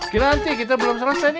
ki nanti kita belum selesai nih ngomongnya